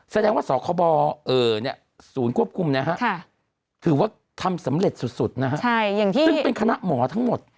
แสดงว่าสคบศูนย์ควบคุมนะฮะถือว่าทำสำเร็จสุดนะฮะซึ่งเป็นคณะหมอทั้งหมด